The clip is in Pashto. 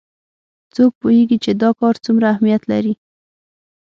څوک پوهیږي چې دا کار څومره اهمیت لري